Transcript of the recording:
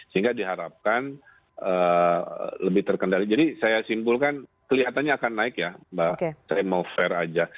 sehingga diharapkan lebih terkendali jadi saya simpulkan kelihatannya akan naik ya mbak saya mau fair aja